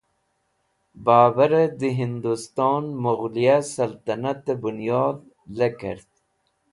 Babar e de Hinduston Mughliya Saltanate Bunyodh lekert